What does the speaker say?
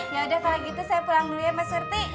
ya udah kalau gitu saya pulang dulu ya mas surti